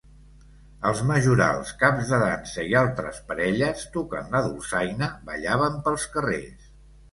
Els majorals, caps de dansa i altres parelles, tocant la dolçaina, ballaven pels carrers.